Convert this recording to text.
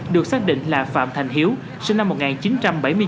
được xác định là phạm thành hiếu sinh viên bộ giao thông quốc gia